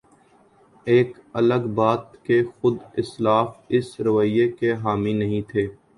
یہ الگ بات کہ خود اسلاف اس رویے کے حامی نہیں تھے۔